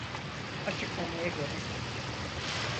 Açıklamaya gerek yok.